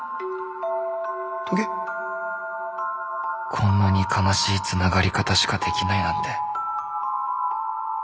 こんなに悲しいつながり方しかできないなんて。